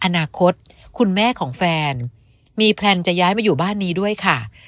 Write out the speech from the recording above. อนาคตคุณแม่ของแฟนมีแพลนจะย้ายมาอยู่บ้านนี้ด้วยค่ะ